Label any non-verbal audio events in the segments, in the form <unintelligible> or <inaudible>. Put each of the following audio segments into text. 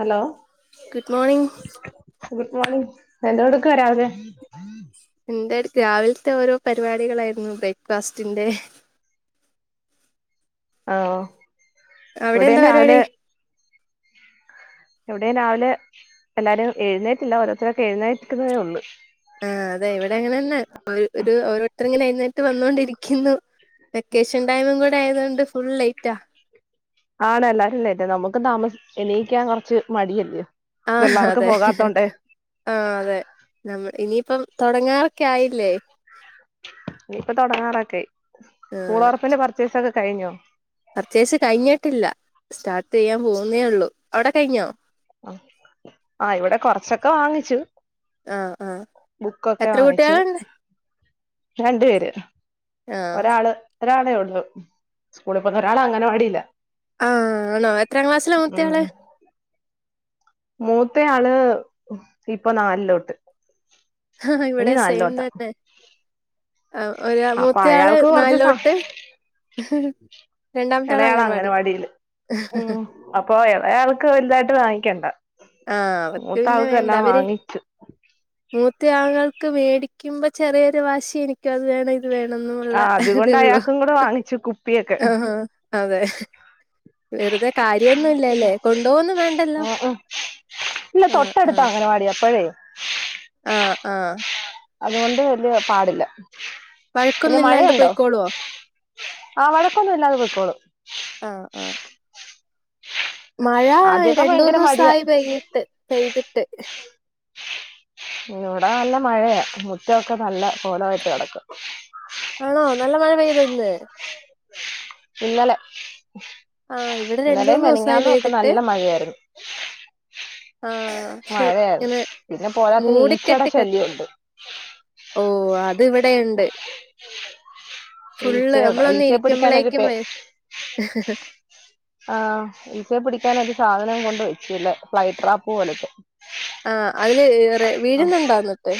Hello good morning good morning എന്തോ എടുക്കുവാ രാവിലെ എന്താ രാവിലത്തെ ഓരോ പരിപാടികളായിരുന്നു ബ്രേക്ക്ഫാസ്റ്റിന്റെ ആഹ് അവിടെ ഇവിടെയും എന്താ രാവിലെ പരിപാടി എവിടെയും രാവിലെ എല്ലാരും എഴുന്നേറ്റില്ല ഓരോത്തരൊക്കെ എഴുന്നേക്കുന്നതേ ഉള്ളു ആഹ് അതെ ഇവിടെ അങ്ങനെ തന്നെ ഒരു ഓരോരുത്തർ ഇങ്ങനെ എഴുന്നേറ്റ് വന്നോണ്ടിരിക്കുന്നു വെക്കേഷൻ ടൈമും കൂടെ ആയതുകൊണ്ട് ഫുൾ ലേറ്റാ ആണ് എല്ലാരും ഇല്ലായിറ്റ നമ്മുക്ക് താമ എണീക്കാൻ കുറച്ച് മടി അല്ലിയോ എല്ലാർക്കും പോകാത്തോണ്ട് ആഹ് അതെ നമ്മൾ ഇനിയിപ്പം തൊടങ്ങാറൊക്കെ ആയില്ലേ ഇനിപ്പ തുടങ്ങാറൊക്കെ ആയി ആ സ്കൂൾ തൊറപ്പിന്റെ പർച്ചേസൊക്കെ കഴിഞ്ഞോ പർച്ചേസ് കഴിഞ്ഞിട്ടില്ല സ്റ്റാർട്ട് ചെയ്യാൻ പോകുന്നേ ഉള്ളൂ അവിടെ കഴിഞ്ഞോ ആഹ് ആഹ് ഇവിടെ കൊറച്ചൊക്കെ വാങ്ങിച്ചു ആ ആ ബുക്കൊക്കെ എത്ര വാങ്ങിച്ചു കുട്ടികളുണ്ട് രണ്ടു പേര് ആ ഒരാള് ഒരാളെ ഉള്ളു സ്കൂളിൽ പോന്ന ഒരാള് അങ്ങനവാടിയിലാ ആഹ് ആണോ എത്രാം ക്ലാസ്ലാ മൂത്ത ആള് ഉം മൂത്തയാള് ഇപ്പൊ നാലിലോട്ട് ആഹ ഇനി ഇവിടെം സെയിം നാലിലോട്ടാ തന്നെ ആ ഒരാ അപ്പൊ മൂത്തയാള് അയാൾക്ക് കൊറച്ച് സ നാലിലോട്ട് രണ്ടാമത്തെ ആള് ഇളയാള് അംഗൻവാടി അങ്ങനവാടിയില് ഉം അപ്പൊ എളയ ആൾക്ക് വലുതായിട്ട് വാങ്ങിക്കണ്ട ആഹ് അവർക്ക് മൂത്ത ആൾക്ക് എല്ലാം വാങ്ങിച്ചു മൂത്ത ആങ്ങൾക്ക് മേടിക്കുമ്പോ ചെറിയൊരു വാശി എനിക്കും അത് വേണം വേണന്ന് ഉള്ള ആ അതുകൊണ്ട് ഇതേള്ളൂ അയാൾക്കും കൂടെ വാങ്ങിച്ചു കുപ്പിയൊക്കെ ആ ആഹ് അതെ വെറുതെ കാര്യം ഒന്നും ഇല്ലല്ലേ കൊണ്ടുപോന്നും വേണ്ടല്ലോ ആഹ് ഇല്ല ആഹ് തൊട്ടടുത്താ ആഹ് അംഗനവാടി അപ്പഴേ ആഹ് ആഹ് അതുകൊണ്ട് വല്യ പാടില്ല പിന്നെ വഴക്കൊന്നും ഇല്ലാണ്ട് മഴയുണ്ടോ പൊയ്ക്കോളുവോ ആഹ് വഴക്കൊന്നും ഇല്ലാതെ പൊക്കോളും ആഹ് ആഹ് മഴ ആദ്യമൊക്കെ രണ്ട് ഭയങ്കര മടിയാ മൂന്നൂസായി പെയ്യിട്ട് പെയ്തിട്ട് ഇവിടെ നല്ല മഴയാ മുറ്റൊക്കെ നല്ല കോലമായിട്ട് കിടക്കാ ആണോ നല്ല മഴ പെയ്തൊ ഇന്ന് ഇന്നലെ ആഹ് ഇവിടെ രണ്ട് ഇന്നലേം മൂന്ന് ദിവസായി മെനഞ്ഞാന്നൊക്കെ പെയ്തിട്ട് നല്ല മഴയായിരുന്നു ആഹ് പക്ഷെ മഴയാണ് ഇങ്ങനെ പിന്നെ പോരാത്തിന് ഈച്ചടെ മൂടിക്കെട്ടി കെട ശല്യം ഉണ്ട് ഓഹ് അത <unintelligible> ഫുള്ള് ഈച്ചയുടെ നമ്മളൊന്ന് ഈച്ചയെ പടിക്കാനൊരു ഇരിക്കുമ്പോഴേക്കും പെ ആഹ് ഇച്ചയെ പിടിക്കാന് ഒര് സാനം കൊണ്ട് വെച്ചു അല്ലേ ഫ്ലൈ ട്രാപ്പ് പോലത്തെ ആഹ് അതില് വീഴ്ന്ന്ണ്ടോ ഇന്നിട്ട്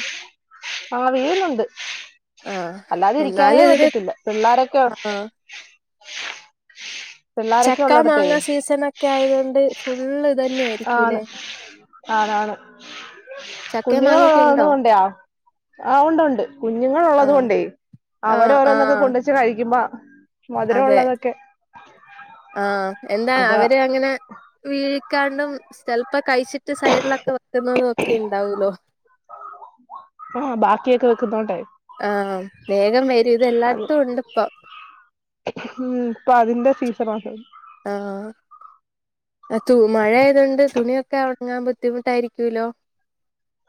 ആഹ് വീഴുന്നുണ്ട് ആഹ് അല്ലാതെ ഇരിക്കാനേ എന്നാലും ഇതിന് പറ്റത്തില്ല പിള്ളാരൊക്കെ ആഹ് <unintelligible> ചക്കാ ഉള്ളിടത്തേ മാങ്ങ സീസണ് ഒക്കെ ആയതോണ്ട് ഫുള്ള് ഇത് തന്നെ ആയിരിക്കും ലേ ആണ് ആണ് ചക്കയും കുഞ്ഞുങ്ങള് മാങ്ങയൊക്കെ ഉള്ള ഉണ്ടോ ഒണ്ടേയെ ആഹ് ഒണ്ട് ഒണ്ട് കുഞ്ഞുങ്ങള് ഒള്ളത് ആഹ് കൊണ്ടേ അവര് ആഹ് ഓരോന്നൊക്കെ ആഹ് കൊണ്ട് വെച്ച് കഴിക്കുമ്പൊ മധുരം അതെ ഒള്ളതൊക്കെ ആഹ് എന്താ അവര് അങ്ങനെ വീഴിക്കാണ്ടും ചെലപ്പോ കയിച്ചിട്ട് സൈഡിലൊക്കെ വെക്കുന്നതും ഒക്കെ ഇണ്ടാവൂല്ലോ ആഹ് ബാക്കിയൊക്കെ വെക്ക്ന്നോണ്ടേ ആഹ് വേഗം വെരും ഇത് എല്ലായിത്തും ഒണ്ട് ഇപ്പം ഉം ഇപ്പം അതിന്റെ സീസനാണ് ആഹ് ആ തു മഴ ആയാതൊണ്ട് തുണിയൊക്കെ ഒണങ്ങാൻ ബുദ്ധിമുട്ടായിരിക്കൂല്ലോ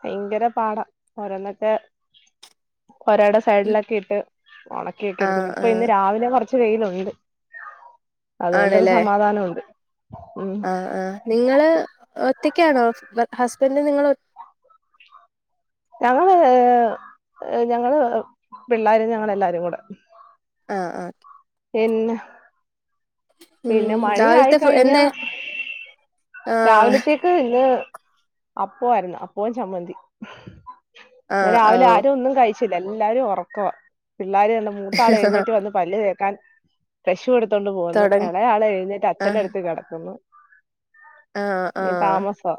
ബയങ്കര പാടാ ഓരോന്നൊക്കെ പോരാടെ സൈഡിലൊക്കെ ഇട്ട് ഒണക്കിയൊക്കെ ആഹ് എട്ക്ക്ന്ന് ഇപ്പൊ ഇന്ന് ആഹ് രാവിലെ കൊറച്ച് വേയില് ഒണ്ട് അത് കൊണ്ടര് ആണല്ലേ സമാധാനം ഒണ്ട് ആഹ് ആഹ് നിങ്ങള് ഒറ്റാക്ക്യാണോ ബ ഹസ്ബനിങ്ങൻ്റും നിങ്ങളും ഞങ്ങള് യെ ഞങ്ങള് പിള്ളോരും ഞങ്ങള് എല്ലാരും കൂടെ ആഹ് ആഹ് പിന്നെ ഉം പിന്നെ മഴയായി <unintelligible> കഴിഞ്ഞാ എന്തേ ആഹ് രാവിലത്തേക്ക് ഇന്ന് അപ്പേം ആര്ന്ന് അപ്പോം ചമ്മന്തി ഇന്ന് രാവിലെ ആഹ് ആരും ഒന്നും കയിച്ചില്ല എല്ലാരും ഒറക്കവ പിള്ളേര് മൂത്താള് ഓഹ് എഴ്ന്നേറ്റ് വന്ന് പല്ല് തേക്കാൻ ബ്രഷു കൊടുത്തോണ്ട് പോന്നു തൊടങ്ങ് എളയാളേ എയ്ന്നേറ്റ് അച്ഛന്റെ ആഹ് എട്ത്ത് കേടക്ക്ന്ന് ആഹ് യെ ആഹ് താമസം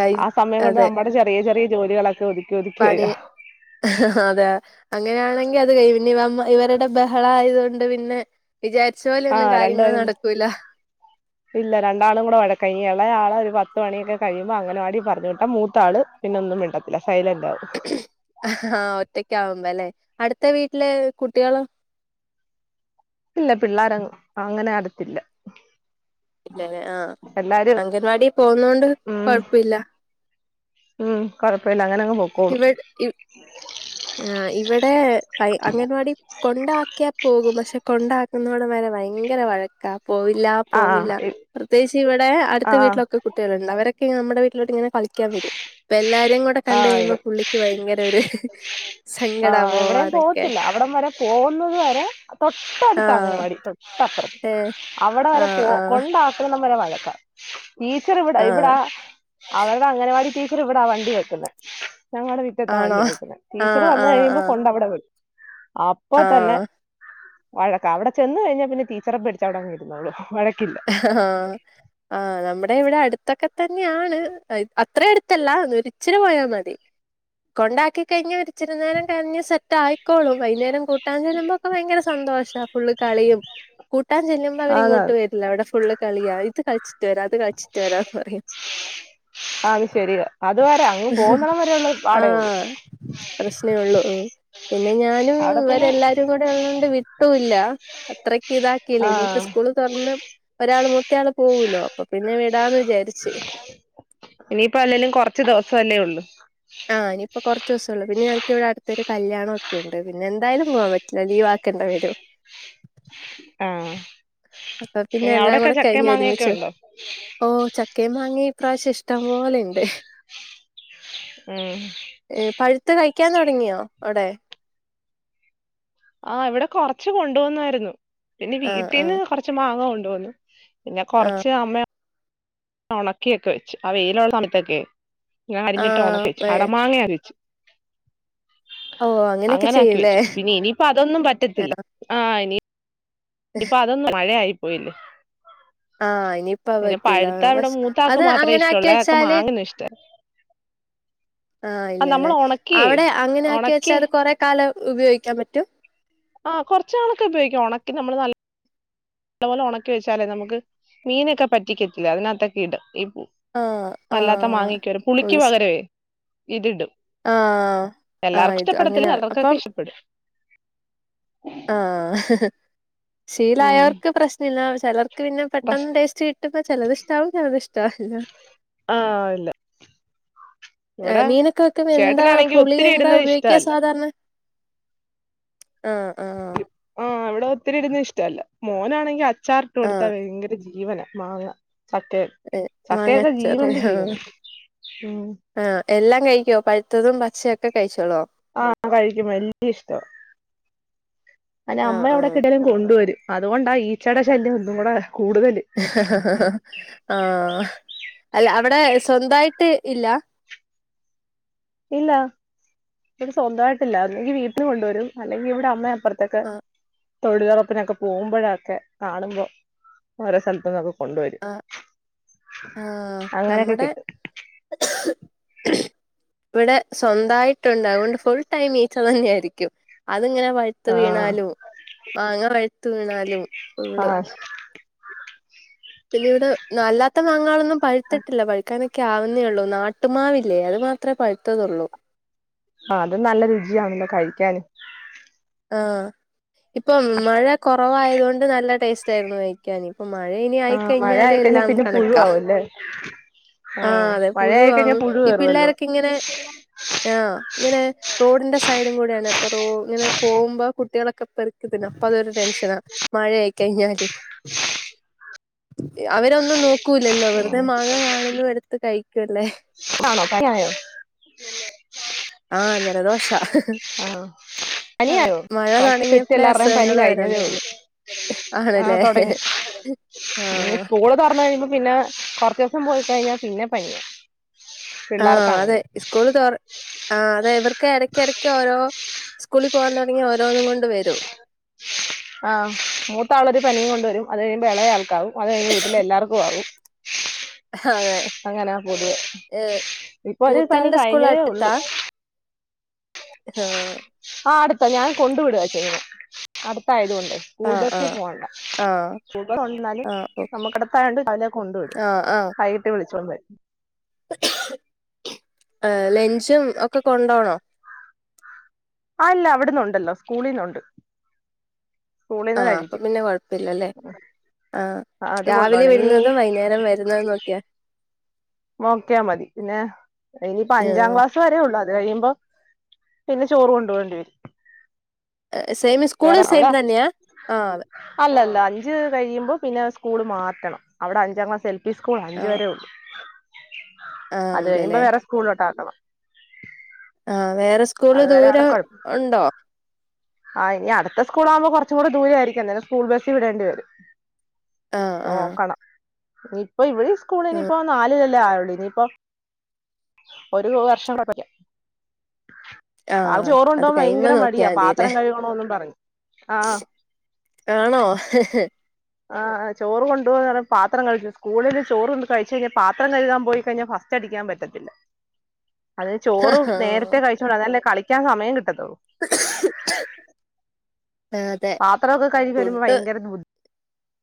കൈ ആഹ് സമയം കൊണ്ട് അതെ നമ്മടെ ചെറിയ ചെറിയ ജോലികളൊക്കെ ഒത് പണി അതെ അങ്ങനെയാണെങ്കി അത് കയി ഇനി ഇവമ്മ ഇവരടെ ബഹളം ആയതോണ്ട് പിന്നെ വിചാരിച്ചാ ആ പോലെന്നും കാര്യങ്ങള് രണ്ടുപേരും നടക്കൂല്ലാ ഇല്ല രണ്ടാളും കൂടെ വഴക്കായി ഇനി എളേയാളേ ഒര് പത്ത് മണിയൊക്കെ കയിമ്പോ അങ്കാനാവടി പറഞ്ഞ് വിട്ടാ മൂത്താള് പിന്നെ ഒന്നും മിണ്ടാത്തില്ല സൈലന്റ് ആകും ആഹ് ഒറ്റക്ക് ആവുമ്പോ അല്ലെ അട്ത്താ വീട്ടിലെ കുട്ടികളേ ഇല്ല പിള്ളോര് അങ്ങ് അങ്ങനെ അട്ത്തില്ലാ ആഹ് എല്ലാരും അംഗൻവാടി പോന്നേണ്ട് ഉം കൊഴപ്പില്ലാ ഉം കൊഴപ്പല്ല അങ്ങന അങ് പോ ഇവടെ ഇ ആഹ് ഇവടെ ബ അംഗൻവാടി കൊണ്ടാക്കിയാ പോകും പശേ കൊണ്ടാക്ക്ന്നാ അവടും വെരെ ബയങ്കര വഴക്കാ പോവില്ല ആഹ് പോവില്ല പ്രത്യേകിച്ച് ഇവടെ അടുത്താ ആഹ് വീട്ടിലൊക്കെ കുട്ടി ള് ഇണ്ട് അവരൊക്കെ ഇങ്ങ് നമ്മടെ വീട്ടിലോട്ടേ ഇങ്ങനെ കളിക്ക്യാൻ വെരും ഇപ്പേ എല്ലാരോം കൂടി കണ്ട് ആഹ് ഇവ കയിമ്പോ പുള്ളിക്ക് ബയങ്കര ഒര് ആഹ് എവടെയും പോകത്തില്ലാ അവടം വെരെ പോക്ന്നത് വേരെ തൊട്ടാടാത്ത് ആഹ് അങ്കാവാടി തോട്ട് അപ്പറം ഏഹ് അവടെ വേരെ ആഹ് പോ ആഹ് കൊണ്ട് ആക്കാണാ വെരെ വഴക്കാ ടീച്ചറ് ഇവടാ ഇവടാ ആഹ് അവരുടെ അംഗനവാടി ടീച്ചർ ഇവടാ വണ്ടി വെ ക്കന്നേ ഞങ്ങടെ വീട്ടിൻ്റെ എട്ത്താ ആണോ വണ്ടി വെക്ക്ന്നേ ടീച്ചർ ആഹ് വന്ന് ആഹ് കയിമ്പോ ആഹ് കൊണ്ട് അവടെ വിടും അ ഇപ്പോ തന്നെ ആഹ് വഴക്കാ അവടെ ചെന്ന് കയിഞ്ഞാ പിന്നെ ടീച്ചറെ പേടിച്ച് അവടെ അങ്ങ് ഇര്ന്നോളൂ വഴക്കില്ല ആഹ് ആഹ് നമ്മടെ ഇവടെ അട്ത്തൊക്കെ തന്നെയാണ് അത്ര അട്ത്താല്ല ഒര് ഇച്ചിരി പോയാ മതി കൊണ്ടാക്കി കയിഞ്ഞാ ഒര് ഇച്ചിരി നേരം കരഞ്ഞ സെറ്റ് ആയിക്കോളും വൈന്നേരം കൂട്ടാൻ ചെല്ലമ്പ്പോക്കെ ബയങ്കര സന്തോഷാ ഫുള്ള് കളിയും കൂട്ടാൻ ചെല്ല്മ്പോ അവര് ആണോ ഇങ്ങോട്ട് വെരില്ല അവടെ ഫുള്ള് കളിയാ ഇത് കളിച്ചിട്ട് വെരാം അത് കളിച്ചിട്ട് വെരാന്ന് പറയും ആഹ് അത് ശരിയ അതുവരെ അങ്ങ് പൊന്നിടം വരെയുള്ള പാടെയുള്ളു ആഹ് പ്രശ്നേ ഉള്ളൂ പിന്നെ ഞാനും അവിടെ പിന്നെ ഇവരെല്ലാവരും <unintelligible> അത്രക്ക് ഇതാക്കില്ല ഇനിപ്പോ ആഹ് സ്കൂൾ ഒരാൾ മൂത്താള് പൂവൂലോ അപ്പോ വിടാന്ന് വിചാരിച് ഇനിപ്പം അല്ലെലും കുറച്ച് ദിവസേല്ലേ ള്ളൂ ആഹ് ഞ്‌പ്പ കൊർചൂസൊള്ളു പിന്നെ ഞങ്ങക്കിവിടെ അടുത്തൊരു കല്യാണൊക്കെണ്ട് പിന്നെ എന്തായാലും പോവാൻ പറ്റൂല ലീവാക്കേണ്ടി വരും. ആഹ് <unintelligible> പ്പൊ പിന്നെ എല്ലാം അവിടെക്കെ കൂടെ ചക്കയും കഴിഞ്ഞു മാങ്ങയൊക്കെ ഒരുമിച്ചോ ഉണ്ടോ ഓഹ് ചക്കയും മാങ്ങയും ഇപ്രാവശ്യം ഇഷ്ടം പോലെണ്ട് എഹ് ഏ പഴുത്ത് കഴിക്കാൻ തുടങ്ങിയോ അവിടെ? ആഹ് ഇവിടെ കുറച്ച് കൊണ്ട് വന്നായിരുന്നു പിന്നെ ആ ആ വീട്ടീന്ന് കൊറച്ച് മാങ്ങ കൊണ്ട് വന്നു പിന്നെ ആ കുറച്ച് അം ഉണക്കിയൊക്കെ വെച്ച് ആഹ് വെയിലുള്ള സമയത്തൊക്കെ ഞാൻ ആ അരിഞ്ഞിട്ട് ഉണക്കി വെച്ച് ഏ അടമങ്ങയൊക്കെ അരിഞ്ഞു വെച്ച് ഓ അങ്ങനെയൊക്കെ അങ്ങനെയാക്കി ചെയ്യൂലേ വെച്ചു പിന്നെ ഇനിയിപ്പോ അതൊന്നും ആ പറ്റത്തില്ല ആഹ് ഇനി പ്പൊ അതൊന്നും മഴയായി പോയില്ലേ ആഹ് ഇനിയിപ്പോ അത് പിന്നെ പറ്റൂല പഴുത്ത ഇവിടെ പക്ഷെ മൂത്താക്ക് അത് മാത്രമേ അങ്ങനെ ആക്കി ഇഷ്ടമുള്ളൂ അയാൾക്ക് വെച്ചാല് മാങ്ങന ഇഷ്ടം ആഹ് അത് നമ്മൾ ഇല്ലല്ലേ ഉണക്കി അവിടെ അങ്ങനെ ആക്കി വെച്ചാ ഉണക്കി അത് കുറെ കാലം ഉപയോഗിക്കാൻ പറ്റും ആഹ് കൊറച്ച് നാളൊക്കെ ഉപയോഗിക്കാം ഉണക്കിന് നമ്മള് നല് നല്ലപോലെ ഉണക്കി വെച്ചാലേ നമുക്ക് മീനൊക്കെ പറ്റിക്കത്തില്ലേ അതിനാതൊക്കെ ഇടാം ഈ പൂ ആ ആ അല്ലാത്തെ മാങ്ങെക്കെ ഓ പുളിക്ക് ഇസ്- പകരേ ഇതിടും ആ ആ എല്ലാർക്കും ഇത് ഇഷ്ടപ്പെടത്തില്ല അങ്ങനെ ചിലർക്കൊക്കെ അപ്പം ഇഷ്ടപ്പെടും ആഹ് ഉം ശീലായവർക്ക് പ്രശ്നമില്ല ചിലർ ക്ക് പിന്നെ പക്ഷ പെട്ടെന്ന് ടേസ്റ്റ് കിട്ടുമ്പോ ചിലത് ഇഷ്ടവും ചിലത്തിഷ്ടാവില്ലാ ആഹ് ഇല്ല ങ് ഇവിടെ മിനൊക്കെ വെക്കുമ്പോ എന്താ ചേട്ടനാണെങ്കി പുളി ഒത്തിരി എന്താ ഇടുന്നത് ഉപയോഗിക്ക ഇഷ്ടമല്ല സാധരണ ആഹ് ആഹ് ആഹ് ഇവിടെ ഒത്തിരി ഇടുന്നത് ഇഷ്ടവല്ല മോനാണെങ്കിൽ അച്ചാറിട്ട് കൊടുത്താ ആഹ് ഭയങ്കര ജീവന മാങ്ങ ചക്കെ ഏഹ് ചക്കെയൊക്കെ മാങ്ങാച്ചാറ് ജീവന്റെ ജീവന ഉം ആണ് എല്ലാം കഴിക്കോ പഴുത്തതും പച്ചയൊക്കെ കഴിച്ചോളോ ആഹ് കഴിക്കും വല്യ ഇഷ്ട അയിന് അമ്മ ആഹ് എവിടെ ആഹ് കിട്ടിയാലും കൊണ്ട് വരും അതുകൊണ്ടാ ഇച്ചെടെ ശല്യം ഇതും കൂടെ കൂടുതല് ആഹ് അല്ല അവിടെ സൃന്തായിട്ട് ഇല്ല? ഇല്ല ഇവിടെ സ്വന്തമായിട്ടില്ല ഒന്നുകിൽ വീട്ടിന്ന് കൊണ്ടുവരും അല്ലെങ്കിൽ ഇവിടെ അമ്മേ അ പ്പർത്തൊക്കെ ആഹ് തൊഴിലുറപ്പിനൊക്കെ പോകുമ്പോഴൊക്കെ കാണുമ്പോ ഓരോ സ്ഥലത്തിന്നക്കെ അഹ് ആഹ് അങ്ങനെയൊക്കെ നമ്മുടെ കിട്ടും ഇവിടെ സ്വന്തായിട്ടുണ്ട് അതുകൊണ്ട് ഫുൾ ടൈം ഈച്ച തന്നെ ആയിരിക്കും അതിങ്ങനെ വ ഴുത്ത് ആഹ് വീണാലും മാങ്ങ പഴുത്ത് വീണാലും ഫുള്ള് ആഹ് പിന്നെ ഇവിടെ അല്ലാത്ത മാങ്ങാളൊന്നും പഴുത്തിട്ടില്ല പഴുക്കാനൊക്കെ ആവുന്നേയുള്ളൂ നാട്ടുമാവില്ലേ അത് മാ ത്ര പഴുത്തതൊള്ളൂ ആഹ് അത് നല്ല രുചിയാണല്ലോ കഴിക്കാന് ആഹ് ഇപ്പം മഴ കുറവായതുകൊണ്ട് നല്ല ടേസ്റ്റ് ആയിരുന്നു കഴിക്കാന് അപ്പൊ മഴ ഇനി ആഹ് മഴ ആയിക്കഴിഞ്ഞാല് ആയിക്കഴിഞ്ഞാ എല്ലാം പിന്നെ കണക്കാ <unintelligible> ആഹ് അതെ മഴയായിക്കഴിഞ്ഞാ പുഴുവാകും പുഴു ഈ കേറുവല്ലോ പിള്ളേരൊക്കെ ഇങ്ങനെ ആഹ് ഇങ്ങനെ റോഡിന്റെ സൈഡും കൂടിയാണ് ഇപ്പൊ ഇങ്ങനെ പോകുമ്പോ കുട്ടികളൊക്കെ പെറുക്കി തിന്നും അപ്പൊ അതൊരു ടെൻഷനാ മഴ ആയി കഴിഞ്ഞാല് <unintelligible> അവരൊന്നും നോക്കൂലല്ലോ വെറുതെ ആഹ് മാങ്ങ കാണുന്നു എടുത്ത് കഴിക്കല്ലേ ആണോ <unintelligible> ആഹ് ജലദോഷ. ആഹ് ആ പനിയായോ മഴ കുറ സെറ്റ് തുടങ്ങിയപ്പോളേ എല്ലാവരുടെയും പനി അസുഖങ്ങള് വരാൻ കഴിഞ്ഞതേള്ളൂ. തുടങ്ങി ആഹ് ആണല്ലേ തൊടങ്ങി ആഹ് സ്കൂള് തുറന് കഴിയുമ്പോ പിന്നെ. കൊറചീസം പോയി കഴിഞ്ഞാൽ പിന്നെ പനി. ആഹ് അതെ സ്കൂള് തൊറ ആ അതെ ഇവർക്ക് എടക് എടക് ഓരോ. സ്കൂളിൽ പോകാൻ തൊടങ്ങിയ ഓരോന്നും കൊണ്ട് വരും. ആഹ് മൂത്ത ആള് ഒരു പനിയും കൊണ്ട് വരും അത് കഴിയുമ്പോൾ ഇളയാൾക്കാവും അത് കഴിഞ്ഞ് വീട്ടിൽ എല്ലാവർക്കും ആവും. അതെ അങ്ങനാ പൊതുവേ ഏഹ് ഇപ്പൊ ഒരു പനി മൂത്താളുടെ സ്കൂൾ കഴിഞ്ഞതേ ഒള്ളു. അടുത്താ ആഹ്. ആഹ് അടുത്താ ഞാൻ കൊണ്ട് വിടാ ചെയണെ അടുത്തായത് കൊണ്ട്. സ്കൂൾ ആഹ് ബസിൽ ആഹ് പോണ്ട ആഹ് ഊമ്പറുണ്ട്ന്നാലും ആഹ് ഓക്കെ നമ്മുക്കിടത്തയണ്ട് രാവിലെ കൊണ്ടു വിടും. ആഹ് ആഹ് വൈകീട്ട് വിളിച്ചോണ്ടു വരും. ലഞ്ചും ഒക്കെ കൊണ്ടോണോ. അല്ല അവിടന്നുണ്ടല്ലോ സ്കൂളിന്നുണ്ട്. സ്കൂളിന്ന് ആഹ് അപ്പൊ കഴിക്കും പിന്നെ കൊഴപ്പല്ലല്ലേ ആ ആഹ് അത് രാവിലെ കൊണ്ടോണം ഇനി വരുന്നതും വൈകുന്നേരം വര വരുന്നതും നോക്കിയാ. നോക്കിയാൽ മതി പിന്നെ ഇനിയിപ്പ അഞ്ചാം ആഹ് ക്ലാസ്. വരേ ഒള്ളൂ അത് കഴിയുമ്പോ പിന്നെ ചോറ് കൊണ്ടുപോണ്ടി വരും. സേമ് സ്കൂള് വേറെ അവിടെ സേമ് തന്നെയാ ആഹ് അതെ. അല്ലല്ല അഞ്ച് കഴിയുമ്പോ പിന്നെ സ്കൂള് മാറ്റണം അവിടെ അഞ്ചാം ക്ലാസ് ഈ സ്കൂൾ അഞ്ച് ആഹ് വരേ ഉള്ളു ആഹ് അത് കഴിഞ്ഞുമ്പ ഉണ്ടല്ലേ വേറെ സ്കൂളിലോട്ട് ആക്കണം. ആഹ് വേറെ സ്കൂള് അതുവരെ ദൂരം ഉണ്ടോ. ആഹ് ഇനി അടുത്ത സ്കൂളാക്പോ കുറച് ദൂരായിരിക്കും അന്നേരം സ്കൂൾ ബസി വിടേണ്ടിവരും. ആഹ് ആഹ് നോക്കണം ഇനിയിപ്പൊ ഇവിടെ ഉം സ്കൂളിനിപ്പോ നാല്. ല്ല ആയുള്ളൂ ഇനിയിപ്പോ ഒരു വർഷം കെയപ്പല്ല ആഹ് ചോറ് അത് കൊണ്ടോവാൻ കഴിയുമ്പോ ഭയങ്കര നോക്കിയാ മടിയാ മതില്ലേ. പാത്രം കഴുകണോന്നും പറഞ്ഞു ആഹ് ആണോ. ആഹ് ചോറ് കൊണ്ടുവാ പാത്രം കഴിച്ചു സ്കൂളിൽ ചോറുണ്ട് കഴിച്ച് കഴിഞ്ഞാ പാത്രം കഴ്കാൻ പോയി കഴിഞ്ഞാ ഫസ്റ്റ്. ചടിക്കാൻ പറ്റത്തില്ല. അത് ചോറ് നേരത്തെ കഴിച്ചോണ്ട് അതല്ലേ കളിക്കാൻ സമയം കിട്ടത്തൊള്ളൂ. അതെ പാത്രൊക്കെ കഴികി വരുമ്പോ ഫുഡ് ഭയങ്കര ബുദ്ധി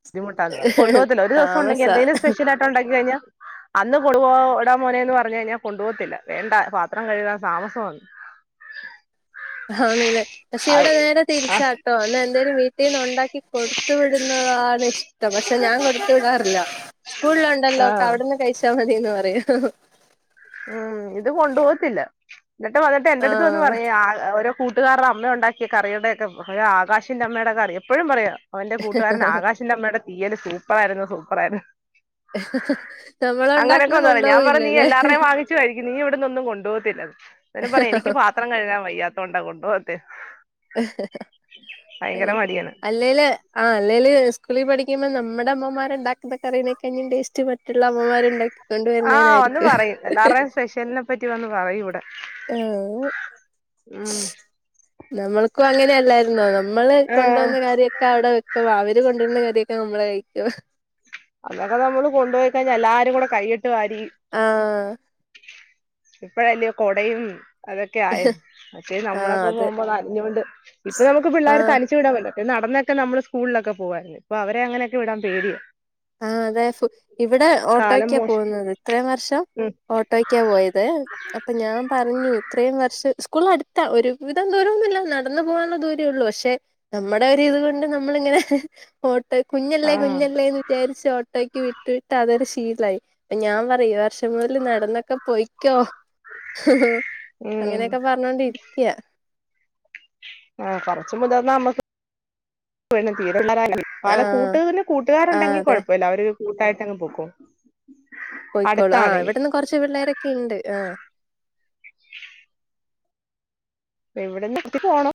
ബുദ്ധിമുട്ടാണ് കൊണ്ടു പോകത്തില്ല ഒരു ദവസം ഉണ്ടങ്കിൽ താമസാ എന്തെങ്കിലും സ്പെഷ്യൽ ആയിട്ട് ഉണ്ടാക്കി കഴിഞ്ഞാ അന്ന് കൊണ്ടുപോടാ മോനേന്ന് പറഞ്ഞു കഴിഞ്ഞാൽ കൊണ്ടുപോകത്തില്ല വേണ്ട പാത്രം കഴ്കാൻ താമസന്. ആണ്ല്ലേ പക്ഷെ ആ ഇവിടെ നേരെ തിരിച്ചാട്ടോ ഒ എന്തേലും വീട്ടിൽന്ന് ഉണ്ടാക്കി കൊടുത്തു വിടുന്നതാണ് ഇഷ്ടം പക്ഷെ ഞാൻ കൊടുത്തു വിടാറില്ല. സ്കൂളിലുണ്ടല്ലോ ഒക്കെ അവിടുന്ന് കഴിച്ചാൽ മതിന്ന് പറയും. ഉം ഇത് കൊണ്ടു പോകത്തില്ല എന്നിട്ട് വന്നിട്ട് എന്റെടുത്ത് വന്ന് ആഹ് പറയാ ഓരോ കൂട്ടുകാരുടെ അമ്മ ഉണ്ടാക്കിയ കറിയുടെ ഒക്കെ ആകാശിന്റെ അമ്മയുടെ കറി എപ്പോഴും പറയും അവന്റെ കൂട്ടുകാരൻ ആകാശിന്റെ അമ്മയുടെ തീയല് സൂപ്പർ ആയിരുന്നു സൂപ്പറായിരുന്നു. നമ്മള്ണ്ടാക്കുന്ന കൊണ്ടുപോകില്ല ല്ലെ അത്ര വാങ്ങിച്ച് കഴിക്കും നീ ഇവിടന്നൊന്നും കൊണ്ടു പോകത്തില്ലന്ന് പിന്നെ പറയും എനിക്ക് പാത്ര പാത്രം കഴ്കാൻ വയ്യാത്തൊണ്ട കൊണ്ടോവാത്തേന്ന് ത് അല്ല. മടിയാണ് അല്ലല് ആ അല്ലല് സ്കൂളിൽ പഠിക്കുമ്പോ നമ്മട അമ്മമാർ ഉണ്ടാക്കുന്ന കറീനേക്കാളും ടേസ്റ്റ് റ്റ് മറ്റുള്ള അമ്മമാരുണ്ടാക്കിക്കൊണ്ട് വരുന്നതായിരിക്കും സ്പെഷലിനെപ്പറ്റി വന്ന് പറയും ഇവടെ. ആഹ് ഉം നമ്മൾക്കും അങ്ങനെയല്ലായിരുന്നോ നമ്മള് ആഹ് കൊണ്ടുവന്ന കാര്യെ ഒ അവിടെ വെക്കവാ അവര് കൊണ്ടിരുന്ന കതിയൊക്കെ നമ്മളെ കയക്ക അന്നൊക്കെ നമ്മള് കൊണ്ടോയിക്കൈഞ്ഞ എല്ലാരും കൂടെ കൈയിട്ട് വാരി ആഹ് ഇപ്പഴല്ല കൊടയും അതൊക്കെ ആയിരുന്നു പക്ഷേ ആഹ് നമ്മളൊക്കെ അത് പോവുമ്പോ നഞ്ഞുകൊണ്ട് ഇപ്പൊ നമുക്ക് പിള്ളേർ ആഹ് തനിച്ചു വിടാമല്ലോ നടന്നൊക്കെ നമ്മള് സ്കൂളിലൊക്കെ പോവായിരുന്നു ഇപ്പൊ അവരെ അങ്ങനെയൊെ വിടാൻ പേടിയാ ആ അതെ ഇവിടെ കാലം ഓട്ടോയ്ക്കാ മോശം പോകുന്നത് ഇത്രയും വർഷം ഉം ഓട്ടോയ്ക്കാ പോയ ത് അപ്പൊ ഞാൻ പറഞ്ഞു ഇത്രയും വർഷം സ്കൂൾ അടുത്താ ഒരുവിധം ദൂരമൊന്നുല്ല നടന്നു പോകാനുള്ള ദൂരേള്ളൂ പക്ഷെ നമ്മുടെ ഒരിത് കൊണ്ട് നമ്മളിങ്ങനെ ഓട്ടോ കുഞ്ഞല്ലേ ആഹ് കുഞ്ഞല്ലേ എന്ന് വിചാരിച്ചു ഓട്ടോ വിട്ട് വിട്ട് അതൊരു ശീലായി അപ്പോ ഞാൻ പറയും ഈ വർഷം മുതൽ നടന്നൊക്കെ പോയി ക്യോ ഉം അങ്ങനെയൊക്കെ പറഞ്ഞോണ്ടിരിക്കയാ ആ കൊറച്ച മുതർന്ന നമ്മക്ക് തീരെണ്ട <unintelligible> പല ആഹ് കൂട്ടുകന്നെ ആഹ് കൂട്ടുകാരുണ്ടെങ്കി അതെ കുഴപ്പല്ല അവര് കൂട്ടായിട്ട്ങ്ങ് പോക്കും പോയിക്കോളൂ ആ ഇവിടെന്ന് കുറച്ച് പിള്ളേരൊക്കെ ഇണ്ട് ആ അപ്പ എവിടെന്ന് എത്തി പോണോ